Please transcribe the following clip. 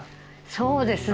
そうですね。